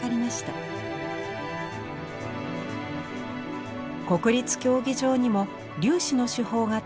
国立競技場にも「粒子」の手法が取り入れられています。